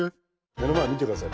目の前見てください。